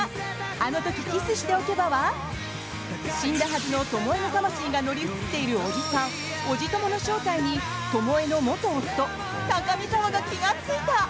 「あのときキスしておけば」は死んだはずの巴の魂が乗り移っているおじさんオジ巴の正体に巴の元夫・高見沢が気がついた。